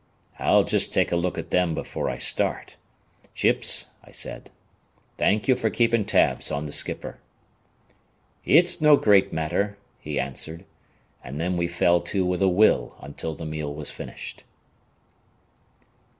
"I'll just take a look at them before I start. Chips," I said. "Thank you for keeping tabs on the skipper." "It's no great matter," he answered; and then we fell to with a will until the meal was finished.